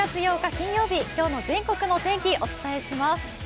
金曜日、今日の全国の天気お伝えします。